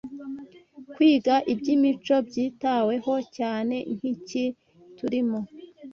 kwiga iby’imico byitaweho cyane nk’iki turimo